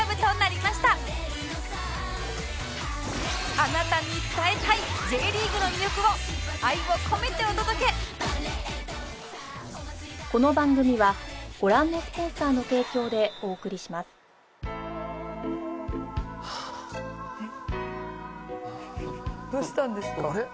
あなたに伝えたい Ｊ リーグの魅力を愛を込めてお届け！はあ。えっ？